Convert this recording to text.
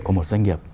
của một doanh nghiệp